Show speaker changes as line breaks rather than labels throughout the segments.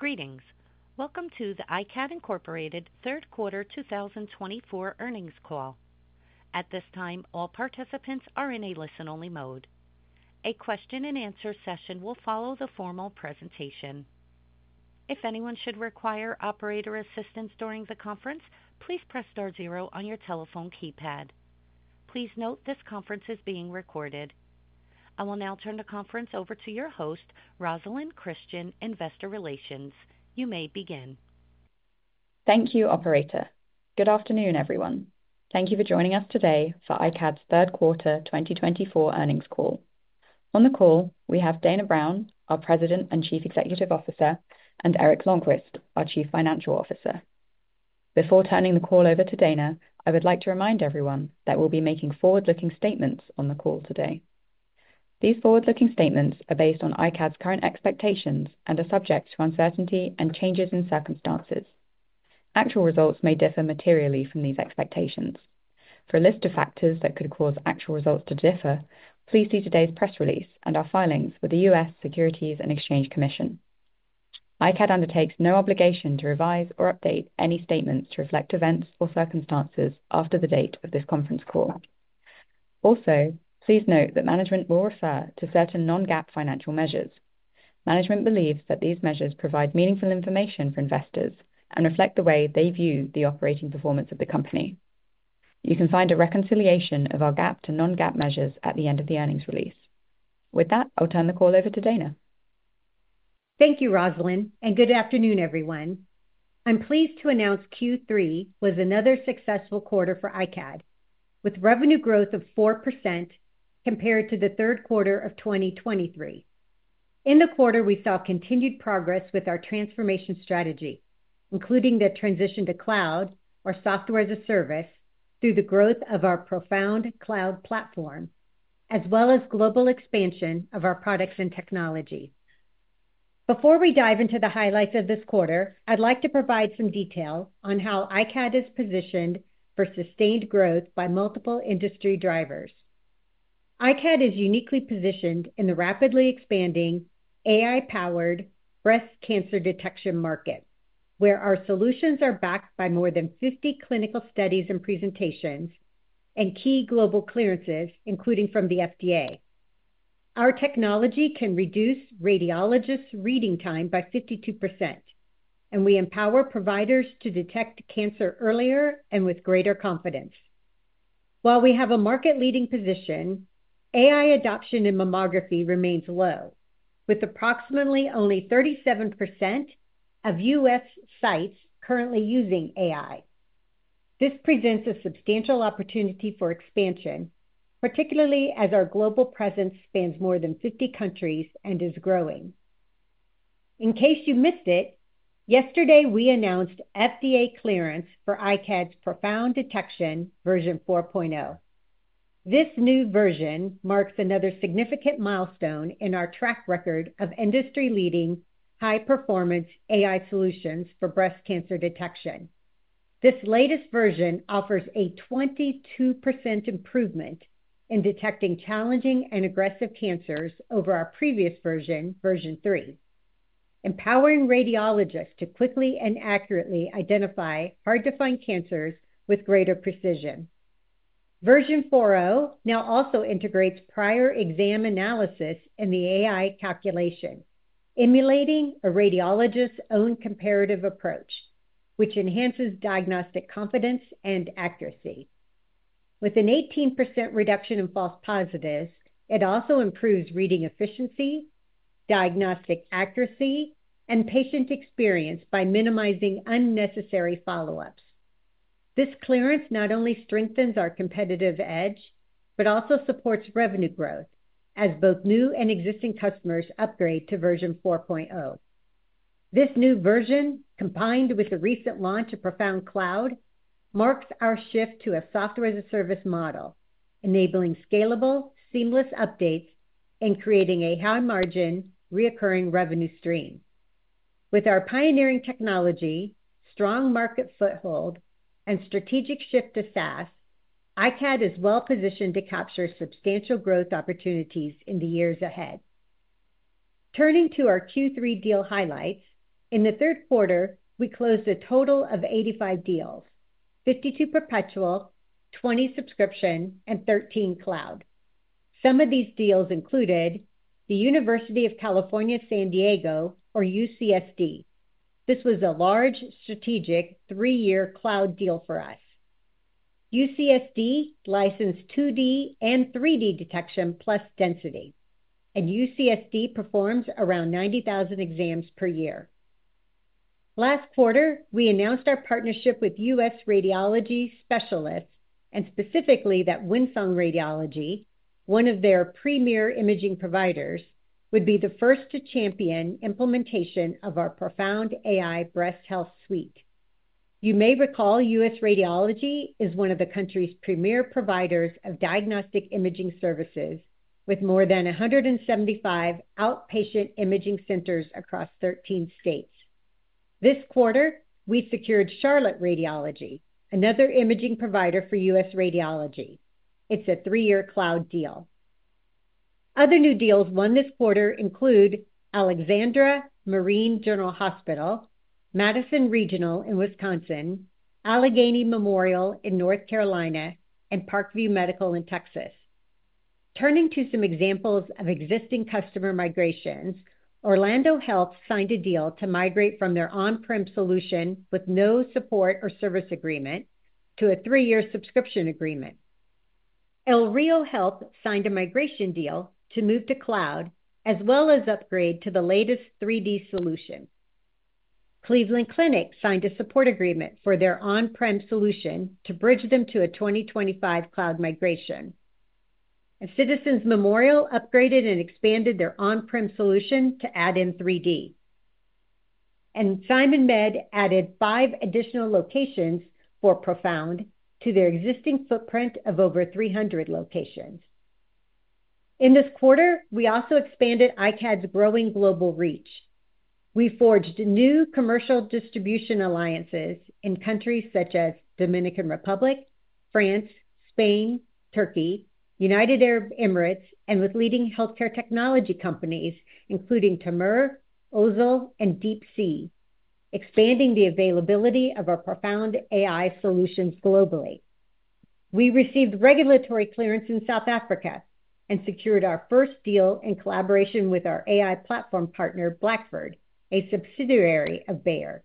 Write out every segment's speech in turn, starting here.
Greetings. Welcome to the iCAD Incorporated Third Quarter 2024 earnings call. At this time, all participants are in a listen-only mode. A question-and-answer session will follow the formal presentation. If anyone should require operator assistance during the conference, please press star zero on your telephone keypad. Please note this conference is being recorded. I will now turn the conference over to your host, Rosalyn Christian, Investor Relations. You may begin.
Thank you, Operator. Good afternoon, everyone. Thank you for joining us today for iCAD's Third Quarter 2024 earnings call. On the call, we have Dana Brown, our President and Chief Executive Officer, and Eric Lonnqvist, our Chief Financial Officer. Before turning the call over to Dana, I would like to remind everyone that we'll be making forward-looking statements on the call today. These forward-looking statements are based on iCAD's current expectations and are subject to uncertainty and changes in circumstances. Actual results may differ materially from these expectations. For a list of factors that could cause actual results to differ, please see today's press release and our filings with the U.S. Securities and Exchange Commission. iCAD undertakes no obligation to revise or update any statements to reflect events or circumstances after the date of this conference call. Also, please note that management will refer to certain Non-GAAP financial measures. Management believes that these measures provide meaningful information for investors and reflect the way they view the operating performance of the company. You can find a reconciliation of our GAAP to Non-GAAP measures at the end of the earnings release. With that, I'll turn the call over to Dana.
Thank you, Rosalyn, and good afternoon, everyone. I'm pleased to announce Q3 was another successful quarter for iCAD, with revenue growth of 4% compared to the third quarter of 2023. In the quarter, we saw continued progress with our transformation strategy, including the transition to cloud, our software as a service through the growth of our ProFound Cloud platform, as well as global expansion of our products and technology. Before we dive into the highlights of this quarter, I'd like to provide some detail on how iCAD is positioned for sustained growth by multiple industry drivers. iCAD is uniquely positioned in the rapidly expanding AI-powered breast cancer detection market, where our solutions are backed by more than 50 clinical studies and presentations and key global clearances, including from the FDA. Our technology can reduce radiologists' reading time by 52%, and we empower providers to detect cancer earlier and with greater confidence. While we have a market-leading position, AI adoption in mammography remains low, with approximately only 37% of U.S. sites currently using AI. This presents a substantial opportunity for expansion, particularly as our global presence spans more than 50 countries and is growing. In case you missed it, yesterday we announced FDA clearance for iCAD's ProFound Detection Version 4.0. This new version marks another significant milestone in our track record of industry-leading high-performance AI solutions for breast cancer detection. This latest version offers a 22% improvement in detecting challenging and aggressive cancers over our previous version, Version 3, empowering radiologists to quickly and accurately identify hard-to-find cancers with greater precision. Version 4.0 now also integrates prior exam analysis in the AI calculation, emulating a radiologist's own comparative approach, which enhances diagnostic confidence and accuracy. With an 18% reduction in false positives, it also improves reading efficiency, diagnostic accuracy, and patient experience by minimizing unnecessary follow-ups. This clearance not only strengthens our competitive edge but also supports revenue growth as both new and existing customers upgrade to version 4.0. This new version, combined with the recent launch of ProFound Cloud, marks our shift to a software-as-a-service model, enabling scalable, seamless updates and creating a high-margin recurring revenue stream. With our pioneering technology, strong market foothold, and strategic shift to SaaS, iCAD is well-positioned to capture substantial growth opportunities in the years ahead. Turning to our Q3 deal highlights, in the third quarter, we closed a total of 85 deals: 52 perpetual, 20 subscription, and 13 cloud. Some of these deals included the University of California San Diego Health, or UCSD Health. This was a large, strategic three-year cloud deal for us. UCSD Health licensed 2D and 3D detection plus density, and UCSD Health performs around 90,000 exams per year. Last quarter, we announced our partnership with US Radiology Specialists, and specifically that Windsong Radiology, one of their premier imaging providers, would be the first to champion implementation of our ProFound AI Breast Health Suite. You may recall US Radiology is one of the country's premier providers of diagnostic imaging services, with more than 175 outpatient imaging centers across 13 states. This quarter, we secured Charlotte Radiology, another imaging provider for US Radiology. It's a three-year cloud deal. Other new deals won this quarter include Alexandra Marine and General Hospital, Madison Regional Health System in Wisconsin, Alleghany Memorial Hospital in North Carolina, and Parkview Regional Hospital in Texas. Turning to some examples of existing customer migrations, Orlando Health signed a deal to migrate from their on-prem solution with no support or service agreement to a three-year subscription agreement. El Rio Health signed a migration deal to move to cloud as well as upgrade to the latest 3D solution. Cleveland Clinic signed a support agreement for their on-prem solution to bridge them to a 2025 cloud migration. And Citizens Memorial upgraded and expanded their on-prem solution to add in 3D. And SimonMed added five additional locations for ProFound to their existing footprint of over 300 locations. In this quarter, we also expanded iCAD's growing global reach. We forged new commercial distribution alliances in countries such as the Dominican Republic, France, Spain, Turkey, United Arab Emirates, and with leading healthcare technology companies including Tamer, Ozel, and deepc, expanding the availability of our ProFound AI solutions globally. We received regulatory clearance in South Africa and secured our first deal in collaboration with our AI platform partner, Blackford, a subsidiary of Bayer.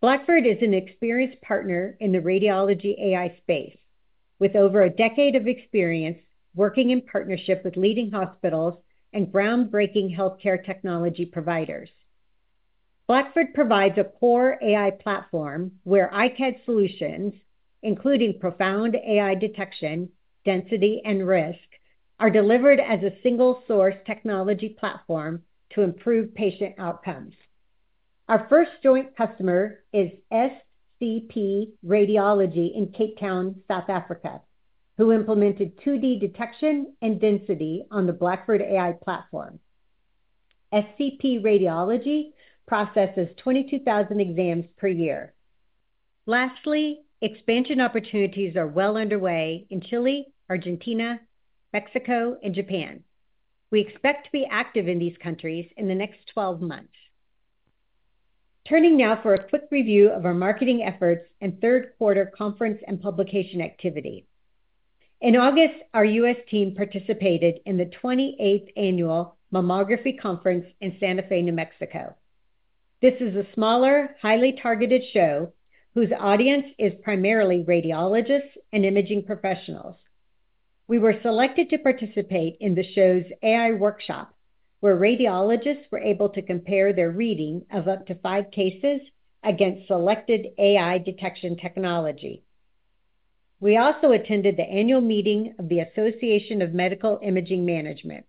Blackford is an experienced partner in the radiology AI space, with over a decade of experience working in partnership with leading hospitals and groundbreaking healthcare technology providers. Blackford provides a core AI platform where iCAD solutions, including ProFound AI Detection, Density, and Risk, are delivered as a single-source technology platform to improve patient outcomes. Our first joint customer is SCP Radiology in Cape Town, South Africa, who implemented 2D detection and density on the Blackford AI platform. SCP Radiology processes 22,000 exams per year. Lastly, expansion opportunities are well underway in Chile, Argentina, Mexico, and Japan. We expect to be active in these countries in the next 12 months. Turning now for a quick review of our marketing efforts and third quarter conference and publication activity. In August, our U.S. team participated in the 28th Annual Mammography Conference in Santa Fe, New Mexico. This is a smaller, highly targeted show whose audience is primarily radiologists and imaging professionals. We were selected to participate in the show's AI workshop, where radiologists were able to compare their reading of up to five cases against selected AI detection technology. We also attended the annual meeting of the Association for Medical Imaging Management.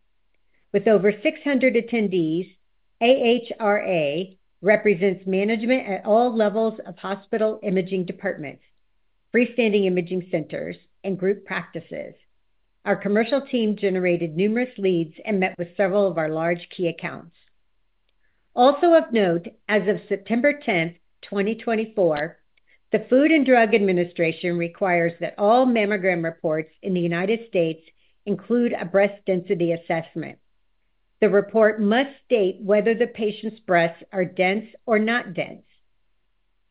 With over 600 attendees, AHRA represents management at all levels of hospital imaging departments, freestanding imaging centers, and group practices. Our commercial team generated numerous leads and met with several of our large key accounts. Also of note, as of September 10th, 2024, the Food and Drug Administration requires that all mammogram reports in the United States include a breast density assessment. The report must state whether the patient's breasts are dense or not dense.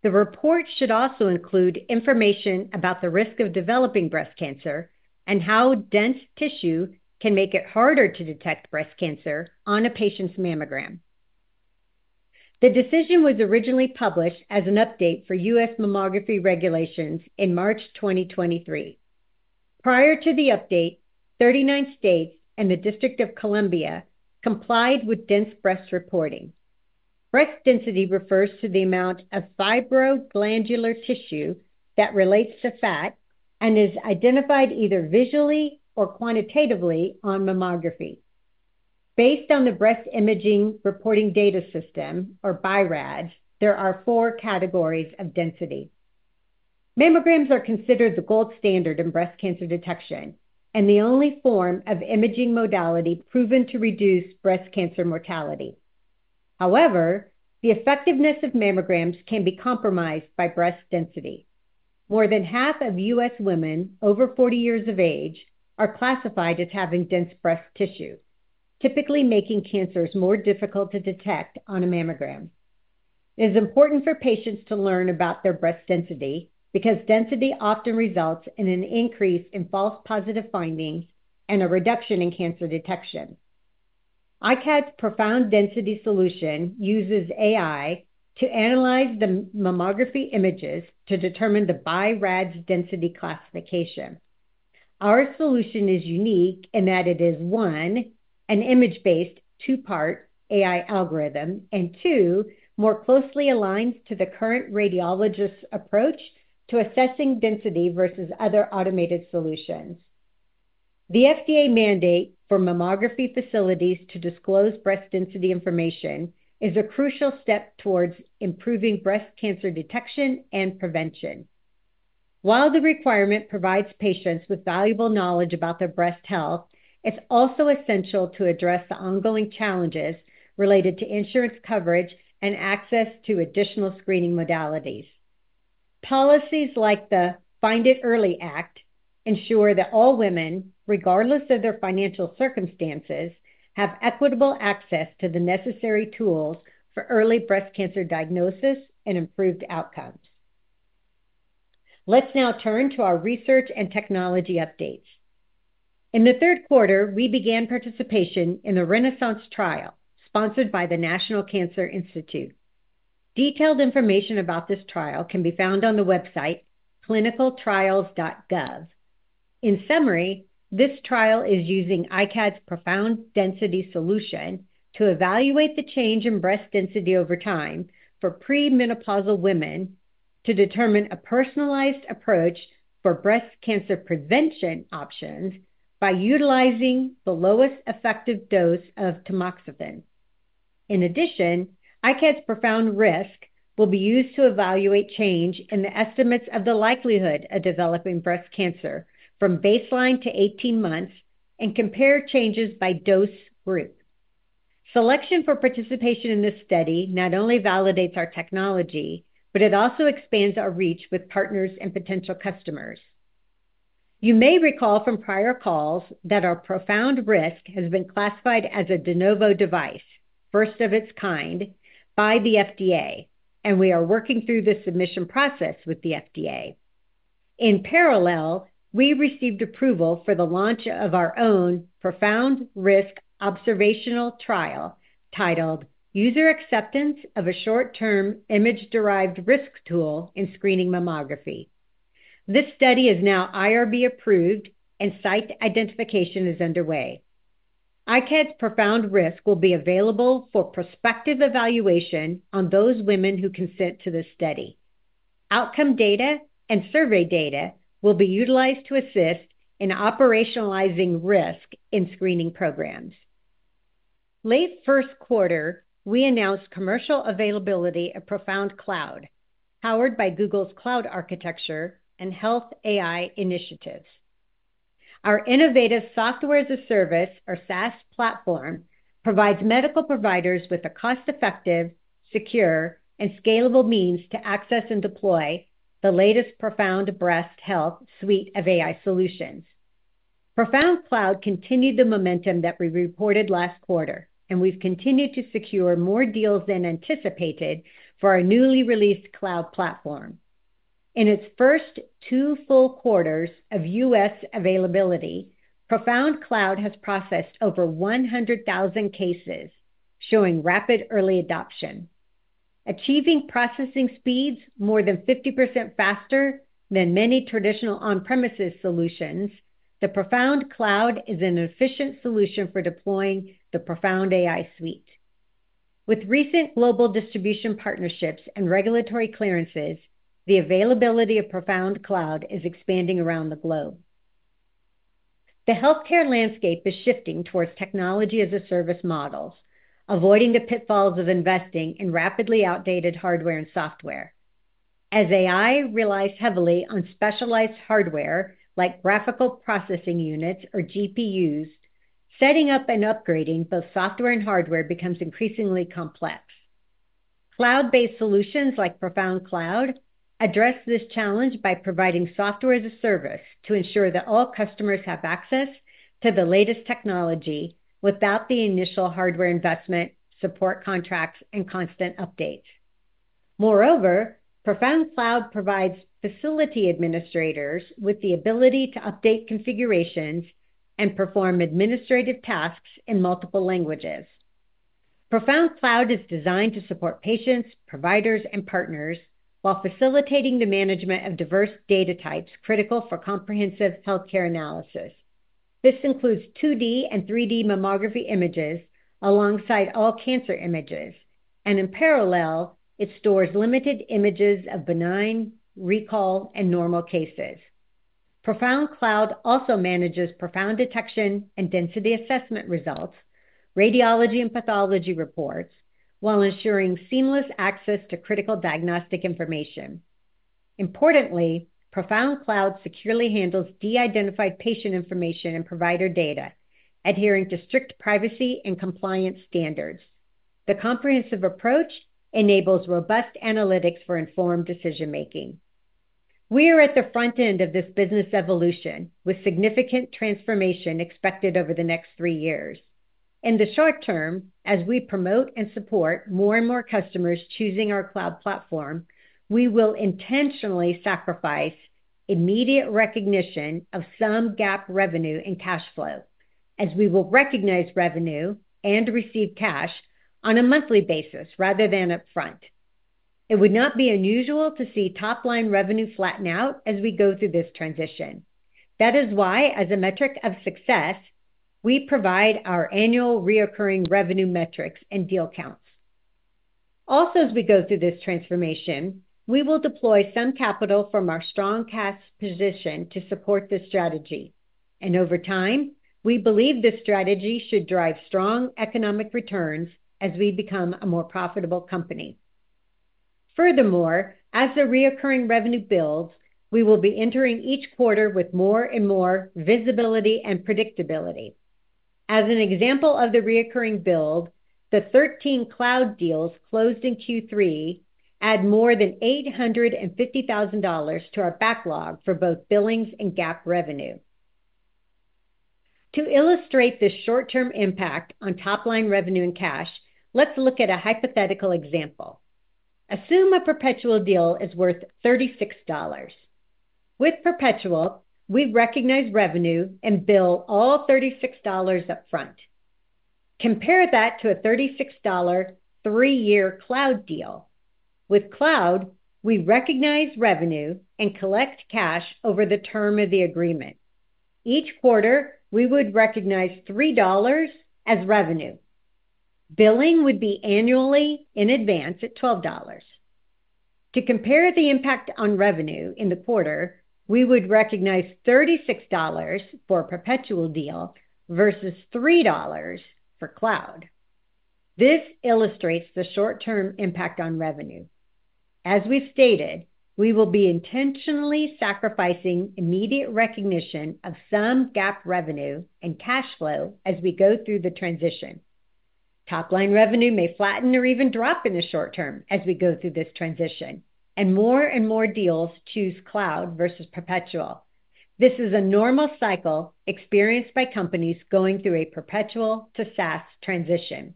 The report should also include information about the risk of developing breast cancer and how dense tissue can make it harder to detect breast cancer on a patient's mammogram. The decision was originally published as an update for U.S. mammography regulations in March 2023. Prior to the update, 39 states and the District of Columbia complied with dense breast reporting. Breast density refers to the amount of fibroglandular tissue that relates to fat and is identified either visually or quantitatively on mammography. Based on the Breast Imaging Reporting Data System, or BI-RADS, there are four categories of density. Mammograms are considered the gold standard in breast cancer detection and the only form of imaging modality proven to reduce breast cancer mortality. However, the effectiveness of mammograms can be compromised by breast density. More than half of U.S. women over 40 years of age are classified as having dense breast tissue, typically making cancers more difficult to detect on a mammogram. It is important for patients to learn about their breast density because density often results in an increase in false positive findings and a reduction in cancer detection. iCAD's ProFound Density solution uses AI to analyze the mammography images to determine the BI-RADS density classification. Our solution is unique in that it is, one, an image-based two-part AI algorithm, and two, more closely aligned to the current radiologist's approach to assessing density versus other automated solutions. The FDA mandate for mammography facilities to disclose breast density information is a crucial step towards improving breast cancer detection and prevention. While the requirement provides patients with valuable knowledge about their breast health, it's also essential to address the ongoing challenges related to insurance coverage and access to additional screening modalities. Policies like the Find It Early Act ensure that all women, regardless of their financial circumstances, have equitable access to the necessary tools for early breast cancer diagnosis and improved outcomes. Let's now turn to our research and technology updates. In the third quarter, we began participation in the Renaissance Trial, sponsored by the National Cancer Institute. Detailed information about this trial can be found on the website, ClinicalTrials.gov. In summary, this trial is using iCAD's ProFound Density solution to evaluate the change in breast density over time for premenopausal women to determine a personalized approach for breast cancer prevention options by utilizing the lowest effective dose of tamoxifen. In addition, iCAD's ProFound Risk will be used to evaluate change in the estimates of the likelihood of developing breast cancer from baseline to 18 months and compare changes by dose group. Selection for participation in this study not only validates our technology, but it also expands our reach with partners and potential customers. You may recall from prior calls that our ProFound Risk has been classified as a de novo device, first of its kind, by the FDA, and we are working through the submission process with the FDA. In parallel, we received approval for the launch of our own ProFound Risk observational trial titled User Acceptance of a Short-Term Image-Derived Risk Tool in Screening Mammography. This study is now IRB approved, and site identification is underway. iCAD's ProFound Risk will be available for prospective evaluation on those women who consent to this study. Outcome data and survey data will be utilized to assist in operationalizing risk in screening programs. Late first quarter, we announced commercial availability of ProFound Cloud, powered by Google's cloud architecture and health AI initiatives. Our innovative software as a service, our SaaS platform, provides medical providers with a cost-effective, secure, and scalable means to access and deploy the latest ProFound Breast Health Suite of AI solutions. ProFound Cloud continued the momentum that we reported last quarter, and we've continued to secure more deals than anticipated for our newly released cloud platform. In its first two full quarters of U.S. availability, ProFound Cloud has processed over 100,000 cases, showing rapid early adoption. Achieving processing speeds more than 50% faster than many traditional on-premises solutions, the ProFound Cloud is an efficient solution for deploying the ProFound AI Suite. With recent global distribution partnerships and regulatory clearances, the availability of ProFound Cloud is expanding around the globe. The healthcare landscape is shifting towards technology-as-a-service models, avoiding the pitfalls of investing in rapidly outdated hardware and software. As AI relies heavily on specialized hardware like graphical processing units or GPUs, setting up and upgrading both software and hardware becomes increasingly complex. Cloud-based solutions like ProFound Cloud address this challenge by providing software as a service to ensure that all customers have access to the latest technology without the initial hardware investment, support contracts, and constant updates. Moreover, ProFound Cloud provides facility administrators with the ability to update configurations and perform administrative tasks in multiple languages. ProFound Cloud is designed to support patients, providers, and partners while facilitating the management of diverse data types critical for comprehensive healthcare analysis. This includes 2D and 3D mammography images alongside all cancer images, and in parallel, it stores limited images of benign, recall, and normal cases. ProFound Cloud also manages ProFound Detection and density assessment results, radiology and pathology reports, while ensuring seamless access to critical diagnostic information. Importantly, ProFound Cloud securely handles de-identified patient information and provider data, adhering to strict privacy and compliance standards. The comprehensive approach enables robust analytics for informed decision-making. We are at the front end of this business evolution with significant transformation expected over the next three years. In the short term, as we promote and support more and more customers choosing our cloud platform, we will intentionally sacrifice immediate recognition of some GAAP revenue and cash flow, as we will recognize revenue and receive cash on a monthly basis rather than upfront. It would not be unusual to see top-line revenue flatten out as we go through this transition. That is why, as a metric of success, we provide our annual recurring revenue metrics and deal counts. Also, as we go through this transformation, we will deploy some capital from our strong cash position to support this strategy. And over time, we believe this strategy should drive strong economic returns as we become a more profitable company. Furthermore, as the recurring revenue builds, we will be entering each quarter with more and more visibility and predictability. As an example of the recurring build, the 13 cloud deals closed in Q3 add more than $850,000 to our backlog for both billings and GAAP revenue. To illustrate this short-term impact on top-line revenue and cash, let's look at a hypothetical example. Assume a perpetual deal is worth $36. With perpetual, we recognize revenue and bill all $36 upfront. Compare that to a $36 three-year cloud deal. With cloud, we recognize revenue and collect cash over the term of the agreement. Each quarter, we would recognize $3 as revenue. Billing would be annually in advance at $12. To compare the impact on revenue in the quarter, we would recognize $36 for a perpetual deal versus $3 for cloud. This illustrates the short-term impact on revenue. As we've stated, we will be intentionally sacrificing immediate recognition of some GAAP revenue and cash flow as we go through the transition. Top-line revenue may flatten or even drop in the short term as we go through this transition, and more and more deals choose cloud versus perpetual. This is a normal cycle experienced by companies going through a perpetual to SaaS transition.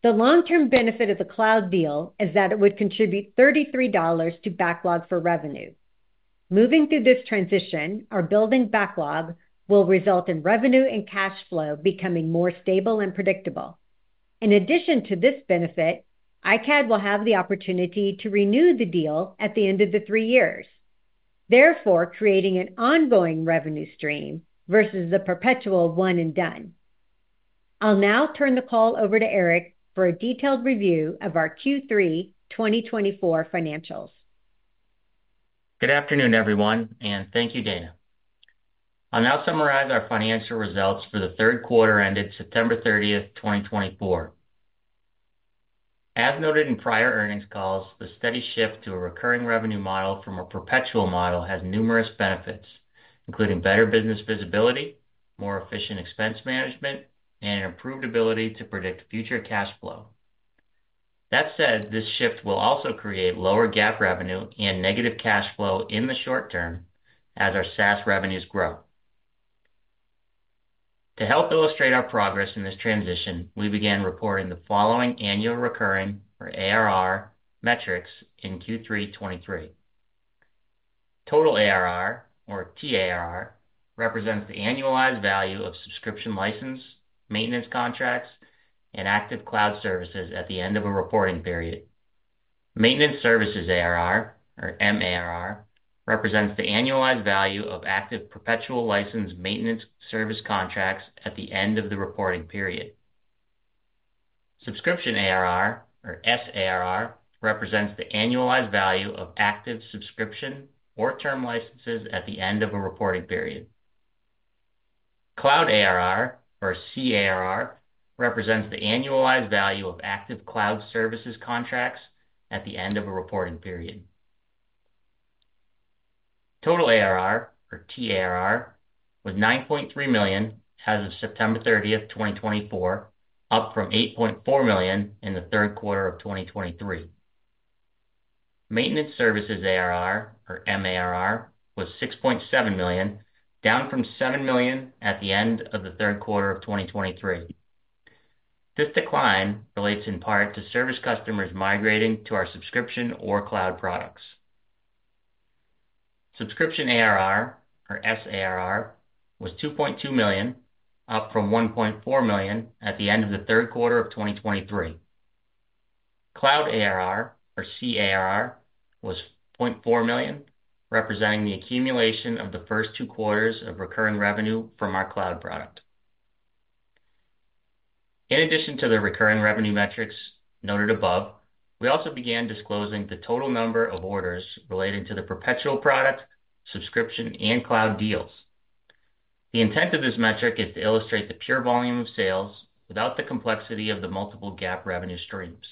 The long-term benefit of the cloud deal is that it would contribute $33 to backlog for revenue. Moving through this transition or building backlog will result in revenue and cash flow becoming more stable and predictable. In addition to this benefit, iCAD will have the opportunity to renew the deal at the end of the three years, therefore creating an ongoing revenue stream versus the perpetual one and done. I'll now turn the call over to Eric for a detailed review of our Q3 2024 financials.
Good afternoon, everyone, and thank you, Dana. I'll now summarize our financial results for the third quarter ended September 30th, 2024. As noted in prior earnings calls, the steady shift to a recurring revenue model from a perpetual model has numerous benefits, including better business visibility, more efficient expense management, and an improved ability to predict future cash flow. That said, this shift will also create lower GAAP revenue and negative cash flow in the short term as our SaaS revenues grow. To help illustrate our progress in this transition, we began reporting the following annual recurring, or ARR, metrics in Q3 2023. Total ARR, or T-ARR, represents the annualized value of subscription license, maintenance contracts, and active cloud services at the end of a reporting period. Maintenance services ARR, or M-ARR, represents the annualized value of active perpetual license maintenance service contracts at the end of the reporting period. Subscription ARR, or S-ARR, represents the annualized value of active subscription or term licenses at the end of a reporting period. Cloud ARR, or C-ARR, represents the annualized value of active cloud services contracts at the end of a reporting period. Total ARR, or T-ARR, was $9.3 million as of September 30th, 2024, up from $8.4 million in the third quarter of 2023. Maintenance services ARR, or M-ARR, was $6.7 million, down from $7 million at the end of the third quarter of 2023. This decline relates in part to service customers migrating to our subscription or cloud products. Subscription ARR, or S-ARR, was $2.2 million, up from $1.4 million at the end of the third quarter of 2023. Cloud ARR, or C-ARR, was $0.4 million, representing the accumulation of the first two quarters of recurring revenue from our cloud product. In addition to the recurring revenue metrics noted above, we also began disclosing the total number of orders relating to the perpetual product, subscription, and cloud deals. The intent of this metric is to illustrate the pure volume of sales without the complexity of the multiple gap revenue streams.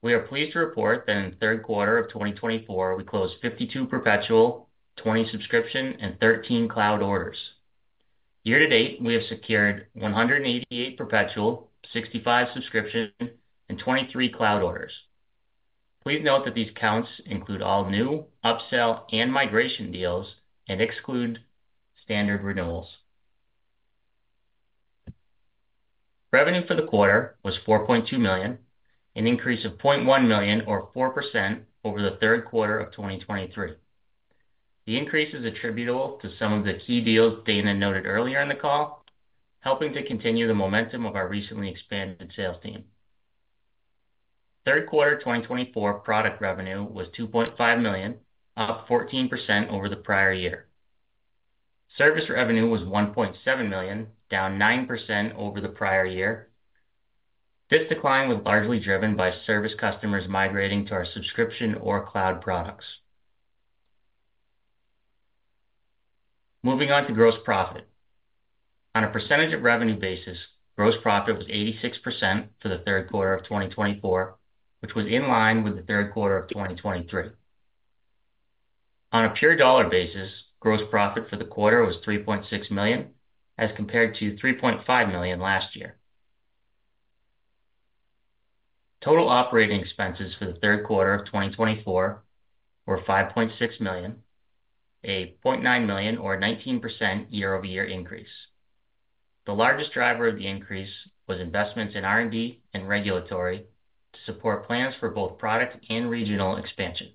We are pleased to report that in the third quarter of 2024, we closed 52 perpetual, 20 subscription, and 13 cloud orders. Year to date, we have secured 188 perpetual, 65 subscription, and 23 cloud orders. Please note that these counts include all new, upsell, and migration deals and exclude standard renewals. Revenue for the quarter was $4.2 million, an increase of $0.1 million, or 4%, over the third quarter of 2023. The increase is attributable to some of the key deals Dana noted earlier in the call, helping to continue the momentum of our recently expanded sales team. Third quarter 2024 product revenue was $2.5 million, up 14% over the prior year. Service revenue was $1.7 million, down 9% over the prior year. This decline was largely driven by service customers migrating to our subscription or cloud products. Moving on to gross profit. On a percentage of revenue basis, gross profit was 86% for the third quarter of 2024, which was in line with the third quarter of 2023. On a pure dollar basis, gross profit for the quarter was $3.6 million, as compared to $3.5 million last year. Total operating expenses for the third quarter of 2024 were $5.6 million, a $0.9 million, or a 19% year-over-year increase. The largest driver of the increase was investments in R&D and regulatory to support plans for both product and regional expansion.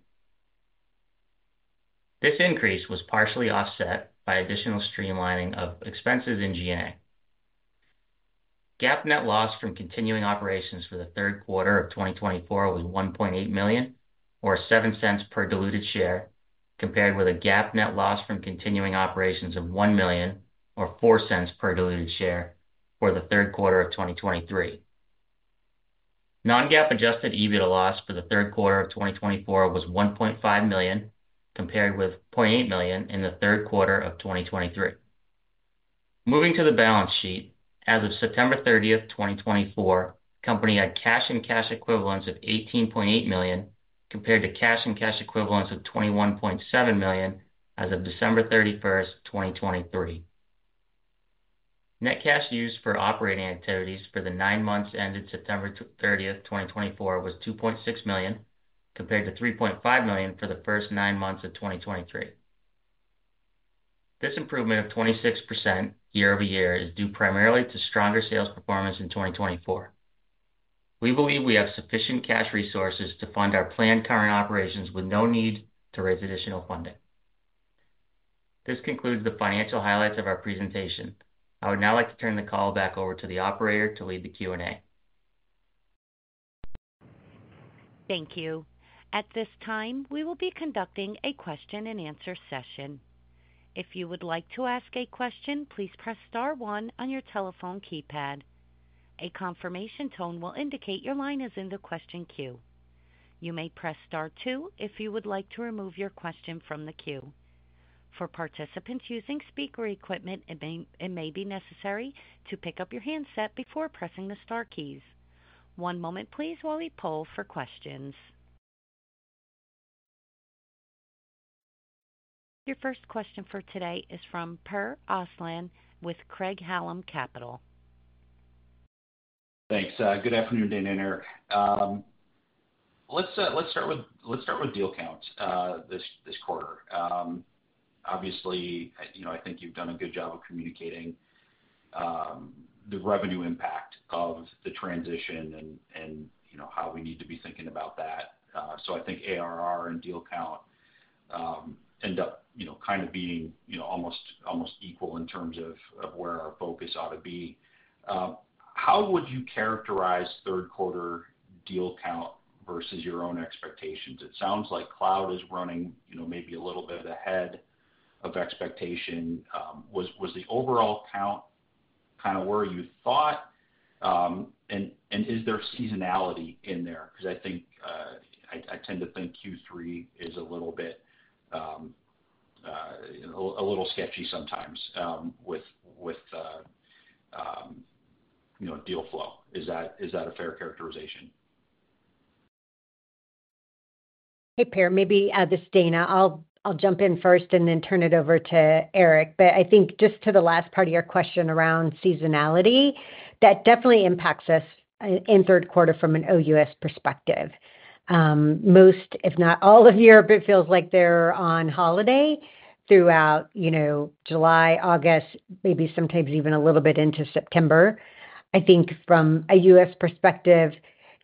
This increase was partially offset by additional streamlining of expenses in G&A. GAAP net loss from continuing operations for the third quarter of 2024 was $1.8 million, or $0.07 per diluted share, compared with a GAAP net loss from continuing operations of $1 million, or $0.04 per diluted share for the third quarter of 2023. Non-GAAP adjusted EBITDA loss for the third quarter of 2024 was $1.5 million, compared with $0.8 million in the third quarter of 2023. Moving to the balance sheet, as of September 30th, 2024, the company had cash and cash equivalents of $18.8 million, compared to cash and cash equivalents of $21.7 million as of December 31st, 2023. Net cash used for operating activities for the nine months ended September 30th, 2024, was $2.6 million, compared to $3.5 million for the first nine months of 2023. This improvement of 26% year-over-year is due primarily to stronger sales performance in 2024. We believe we have sufficient cash resources to fund our planned current operations with no need to raise additional funding. This concludes the financial highlights of our presentation. I would now like to turn the call back over to the operator to lead the Q&A.
Thank you. At this time, we will be conducting a question-and-answer session. If you would like to ask a question, please press Star 1 on your telephone keypad. A confirmation tone will indicate your line is in the question queue. You may press star two if you would like to remove your question from the queue. For participants using speaker equipment, it may be necessary to pick up your handset before pressing the Star keys. One moment, please, while we poll for questions. Your first question for today is from Per Ostlund with Craig-Hallum Capital Group.
Thanks. Good afternoon, Dana and Eric. Let's start with deal counts this quarter. Obviously, I think you've done a good job of communicating the revenue impact of the transition and how we need to be thinking about that. So I think ARR and deal count end up kind of being almost equal in terms of where our focus ought to be. How would you characterize third quarter deal count versus your own expectations? It sounds like cloud is running maybe a little bit ahead of expectation. Was the overall count kind of where you thought? And is there seasonality in there? Because I tend to think Q3 is a little bit sketchy sometimes with deal flow. Is that a fair characterization?
Hey, Per, maybe this is Dana. I'll jump in first and then turn it over to Eric. But I think just to the last part of your question around seasonality, that definitely impacts us in third quarter from an OUS perspective. Most, if not all, of Europe, it feels like they're on holiday throughout July, August, maybe sometimes even a little bit into September. I think from a U.S. perspective,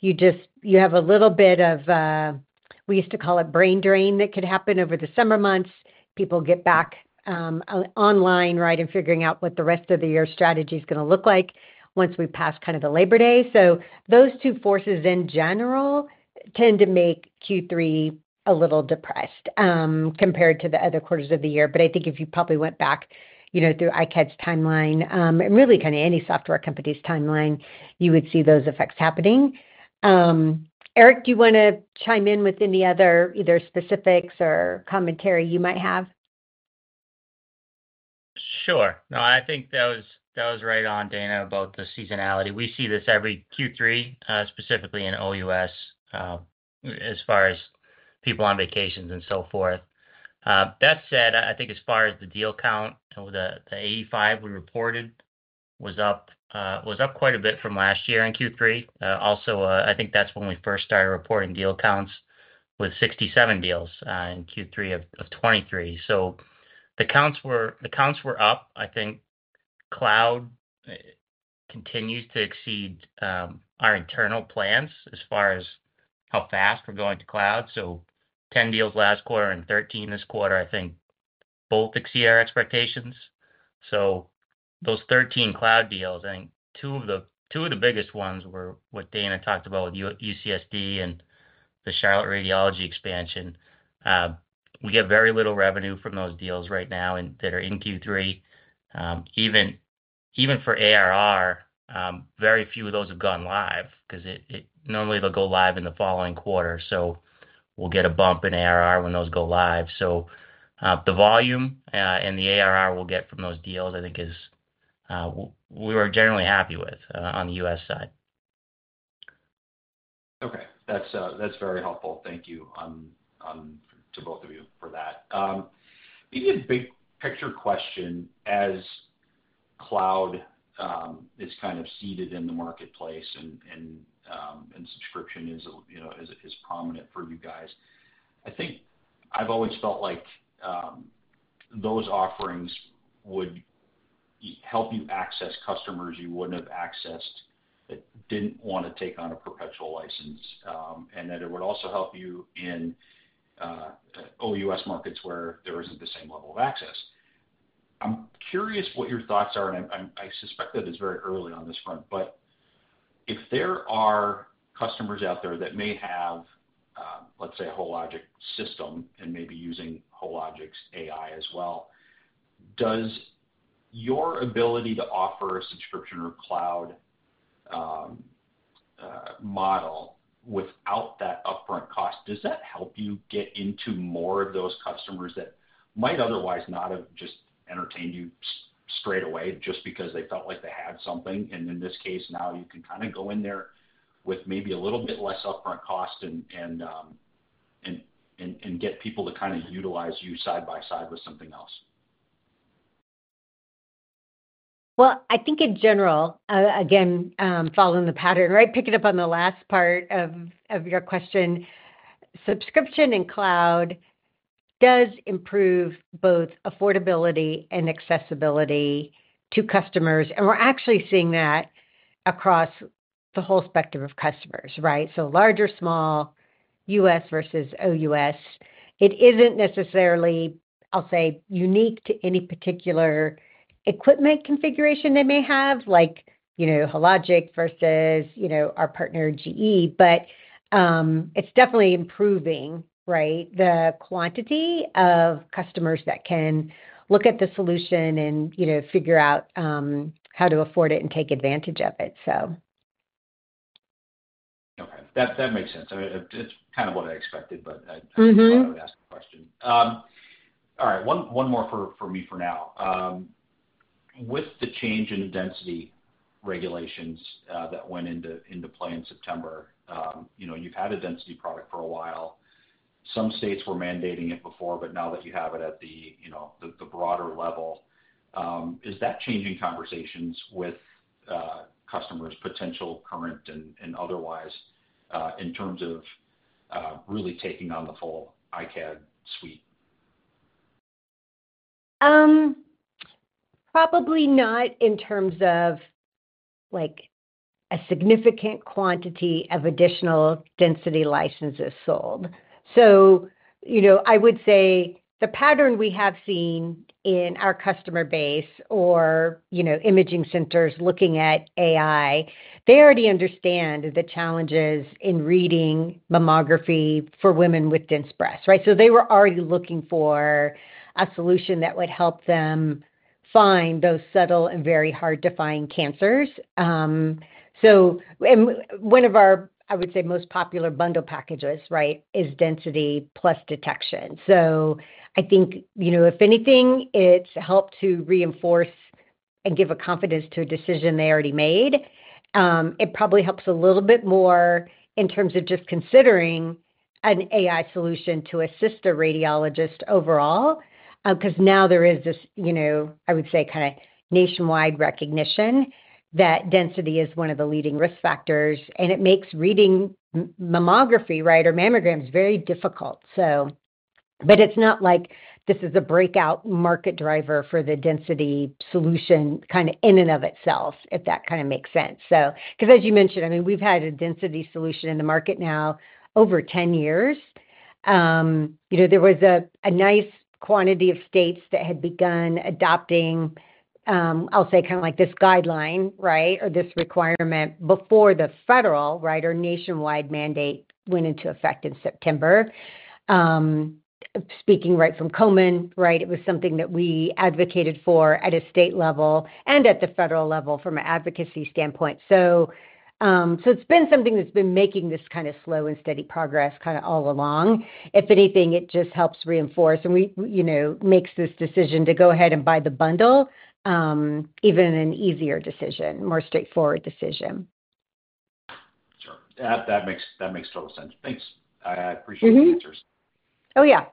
you have a little bit of, we used to call it brain drain that could happen over the summer months. People get back online, right, and figuring out what the rest of the year strategy is going to look like once we pass kind of the Labor Day. So those two forces in general tend to make Q3 a little depressed compared to the other quarters of the year. But I think if you probably went back through iCAD's timeline and really kind of any software company's timeline, you would see those effects happening. Eric, do you want to chime in with any other either specifics or commentary you might have?
Sure. No, I think that was right on, Dana, about the seasonality. We see this every Q3, specifically in OUS, as far as people on vacations and so forth. That said, I think as far as the deal count, the 85 we reported was up quite a bit from last year in Q3. Also, I think that's when we first started reporting deal counts with 67 deals in Q3 of 2023. So the counts were up. I think cloud continues to exceed our internal plans as far as how fast we're going to cloud. So 10 deals last quarter and 13 this quarter, I think both exceed our expectations. So those 13 cloud deals, I think two of the biggest ones were what Dana talked about with UCSD and the Charlotte Radiology expansion. We get very little revenue from those deals right now that are in Q3. Even for ARR, very few of those have gone live because normally they'll go live in the following quarter. So we'll get a bump in ARR when those go live. So the volume and the ARR we'll get from those deals, I think, is. We were generally happy with on the US side.
Okay. That's very helpful. Thank you to both of you for that. Maybe a big picture question. As cloud is kind of seated in the marketplace and subscription is prominent for you guys, I think I've always felt like those offerings would help you access customers you wouldn't have accessed that didn't want to take on a perpetual license, and that it would also help you in OUS markets where there isn't the same level of access. I'm curious what your thoughts are, and I suspect that it's very early on this front. But if there are customers out there that may have, let's say, a Hologic system and maybe using Hologic's AI as well, does your ability to offer a subscription or cloud model without that upfront cost, does that help you get into more of those customers that might otherwise not have just entertained you straight away just because they felt like they had something? And in this case, now you can kind of go in there with maybe a little bit less upfront cost and get people to kind of utilize you side by side with something else.
Well, I think in general, again, following the pattern, right, picking up on the last part of your question, subscription and cloud does improve both affordability and accessibility to customers. And we're actually seeing that across the whole spectrum of customers, right? So larger, small, U.S. versus OUS. It isn't necessarily, I'll say, unique to any particular equipment configuration they may have, like Hologic versus our partner GE. But it's definitely improving, right, the quantity of customers that can look at the solution and figure out how to afford it and take advantage of it, so.
Okay. That makes sense. It's kind of what I expected, but I thought I would ask the question. All right. One more for me for now. With the change in the density regulations that went into play in September, you've had a density product for a while. Some states were mandating it before, but now that you have it at the broader level, is that changing conversations with customers, potential current and otherwise, in terms of really taking on the full iCAD suite?
Probably not in terms of a significant quantity of additional density licenses sold. So I would say the pattern we have seen in our customer base or imaging centers looking at AI, they already understand the challenges in reading mammography for women with dense breasts, right? So they were already looking for a solution that would help them find those subtle and very hard-to-find cancers. And one of our, I would say, most popular bundle packages, right, is density plus detection. So I think if anything, it's helped to reinforce and give a confidence to a decision they already made. It probably helps a little bit more in terms of just considering an AI solution to assist a radiologist overall because now there is this, I would say, kind of nationwide recognition that density is one of the leading risk factors. And it makes reading mammography, right, or mammograms very difficult, so. But it's not like this is a breakout market driver for the density solution kind of in and of itself, if that kind of makes sense. Because as you mentioned, I mean, we've had a density solution in the market now over 10 years. There was a nice quantity of states that had begun adopting, I'll say, kind of like this guideline, right, or this requirement before the federal, right, or nationwide mandate went into effect in September. Speaking right from Komen, right, it was something that we advocated for at a state level and at the federal level from an advocacy standpoint. So it's been something that's been making this kind of slow and steady progress kind of all along. If anything, it just helps reinforce and makes this decision to go ahead and buy the bundle even an easier decision, more straightforward decision.
Sure. That makes total sense. Thanks. I appreciate the answers.
Oh, yeah.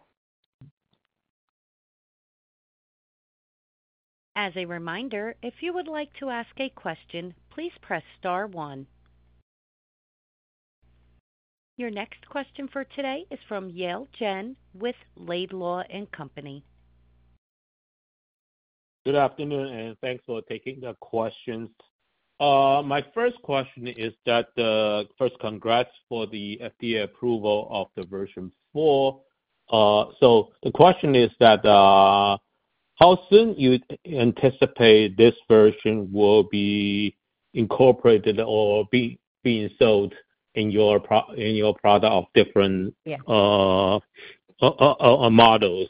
As a reminder, if you would like to ask a question, please press star one. Your next question for today is from Yale Jen with Laidlaw & Company.
Good afternoon, and thanks for taking the questions. My first question is that first, congrats for the FDA approval of the version four. So the question is that how soon you anticipate this version will be incorporated or being sold in your product of different models,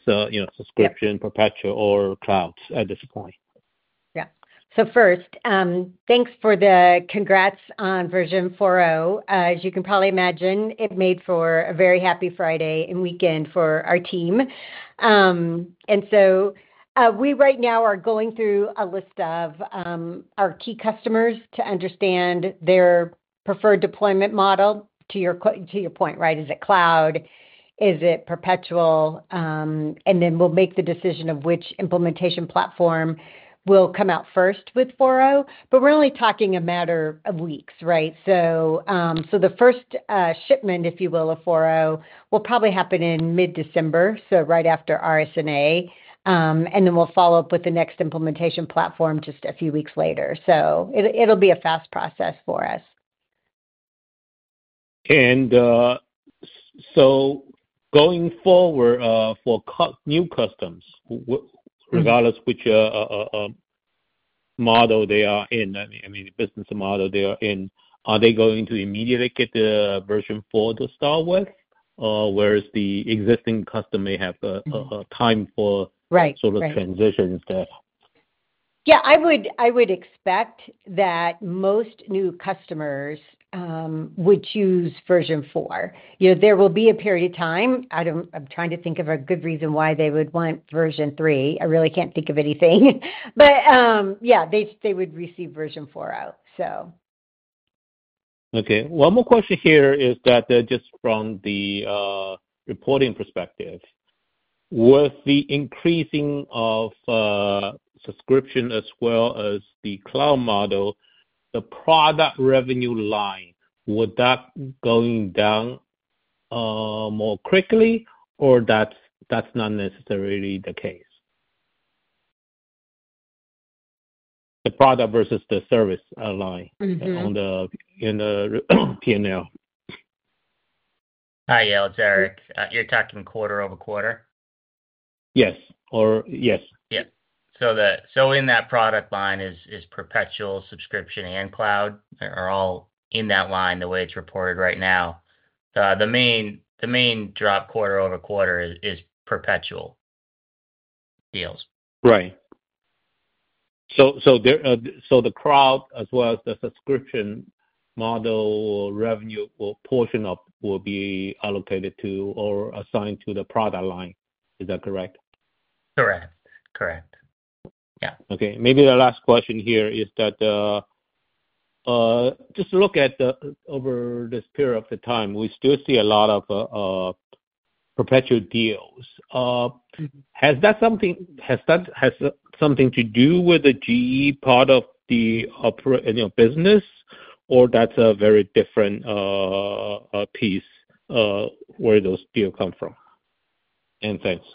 subscription, perpetual, or cloud at this point?
Yeah. So first, thanks for the congrats on Version 4.0. As you can probably imagine, it made for a very happy Friday and weekend for our team. And so we right now are going through a list of our key customers to understand their preferred deployment model to your point, right? Is it cloud? Is it perpetual? And then we'll make the decision of which implementation platform will come out first with 4.0. But we're only talking a matter of weeks, right? So the first shipment, if you will, of 4.0 will probably happen in mid-December, so right after RSNA. And then we'll follow up with the next implementation platform just a few weeks later. So it'll be a fast process for us.
And so going forward for new customers, regardless of which model they are in, I mean, business model they are in, are they going to immediately get the version four to start with? Or whereas the existing customer may have time for sort of transition instead?
Yeah. I would expect that most new customers would choose version four. There will be a period of time. I'm trying to think of a good reason why they would want Version 3. I really can't think of anything. But yeah, they would receive Version 4 out, so.
Okay. One more question here is that just from the reporting perspective, with the increasing of subscription as well as the cloud model, the product revenue line, would that go down more quickly or that's not necessarily the case? The product versus the service line on the P&L?
Hi, Yale Jen. You're talking quarter over quarter?
Yes. Yes.
Yeah. So in that product line is perpetual, subscription, and cloud are all in that line the way it's reported right now. The main drop quarter over quarter is perpetual deals.
Right. So the cloud as well as the subscription model revenue portion will be allocated to or assigned to the product line. Is that correct?
Correct. Correct. Yeah.
Okay. Maybe the last question here is, just look at over this period of time, we still see a lot of perpetual deals. Has that something to do with the GE part of the business or that's a very different piece where those deals come from? And thanks.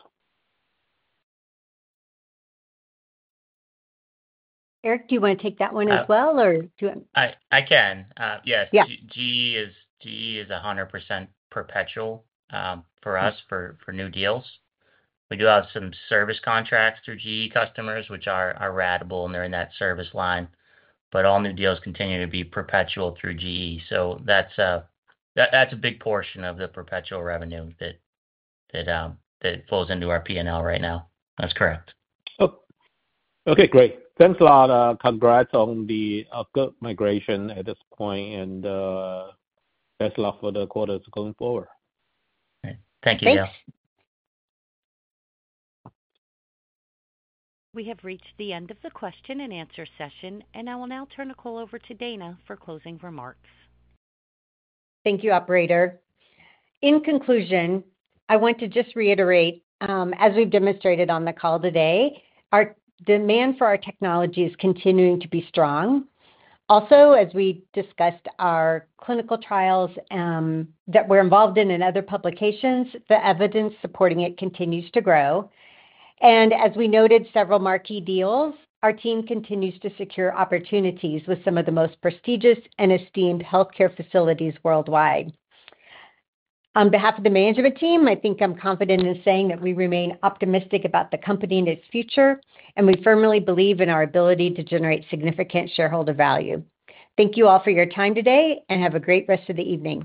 Eric, do you want to take that one as well or do I?
I can.
Yes.
GE is 100% perpetual for us for new deals. We do have some service contracts through GE customers, which are ratable and they're in that service line. But all new deals continue to be perpetual through GE. So that's a big portion of the perpetual revenue that flows into our P&L right now. That's correct.
Okay. Great. Thanks a lot. Congrats on the migration at this point and best luck for the quarters going forward.
Thank you, Yale.
Thanks.
We have reached the end of the question and answer session, and I will now turn the call over to Dana for closing remarks.
Thank you, Operator. In conclusion, I want to just reiterate, as we've demonstrated on the call today, our demand for our technology is continuing to be strong. Also, as we discussed our clinical trials that we're involved in and other publications, the evidence supporting it continues to grow. And as we noted, several marquee deals, our team continues to secure opportunities with some of the most prestigious and esteemed healthcare facilities worldwide. On behalf of the management team, I think I'm confident in saying that we remain optimistic about the company and its future, and we firmly believe in our ability to generate significant shareholder value. Thank you all for your time today and have a great rest of the evening.